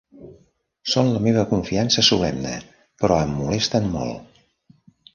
Són la meva confiança solemne, però em molesten molt.